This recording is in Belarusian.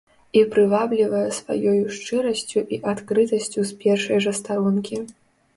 І прываблівае сваёю шчырасцю і адкрытасцю з першай жа старонкі.